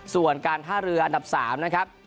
ส่วนการท่าเรืออันดับ๓นะครับ